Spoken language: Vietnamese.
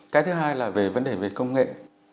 cái thứ hai là về vấn đề về công nghệ